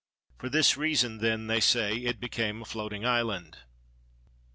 For this reason then, they say, it became a floating island.